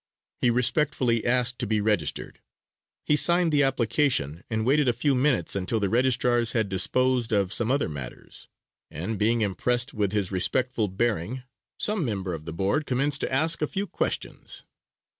He respectfully asked to be registered. He signed the application and waited a few minutes until the registrars had disposed of some other matters, and being impressed with his respectful bearing, some member of the board commenced to ask a few questions.